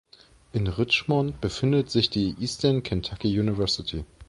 In Richmond befindet sich die Eastern Kentucky University.